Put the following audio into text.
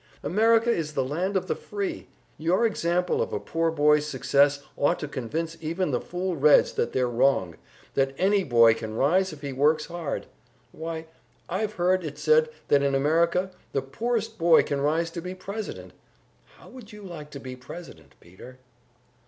America is the land of the free! Your example of a poor boy's success ought to convince even the fool Reds that they're wrong that any boy can rise if he works hard! Why, I've heard it said that in America the poorest boy can rise to be President! How would you like to be President, Peter?"